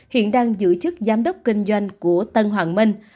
hiện đang giữ chức giám đốc kinh doanh của tân hoàng minh